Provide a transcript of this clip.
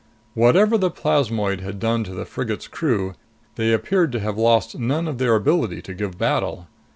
Whatever the plasmoid had done to the frigate's crew, they appeared to have lost none of their ability to give battle.